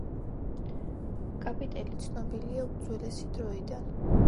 კაპიტელი ცნობილია უძველესი დროიდან.